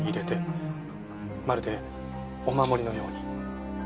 まるでお守りのように。